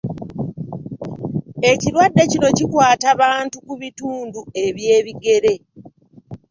Ekirwadde kino kikwata bantu ku bitundu eby’ebigere.